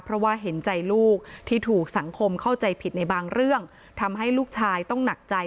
เพราะว่าเห็นใจลูกที่ถูกสังคมเข้าใจผิดในบางเรื่องทำให้ลูกชายต้องหนักใจ